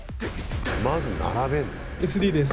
まず並べんの？